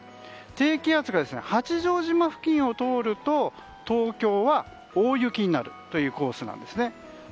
低気圧が八丈島付近を通ると東京は大雪になるというコースなんです。